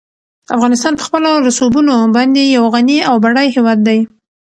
افغانستان په خپلو رسوبونو باندې یو غني او بډای هېواد دی.